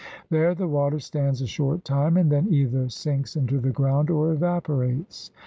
There the water stands a short time and then either sinks into the ground or evaporates.